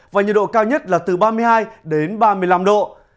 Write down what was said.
và nhiều độ cao nhất là từ ba mươi hai đến ba mươi năm độ